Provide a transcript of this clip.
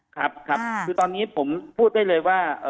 ครับครับคือตอนนี้ผมพูดได้เลยว่า